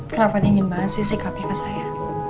kenapa dingin banget sih sikapnya ke saya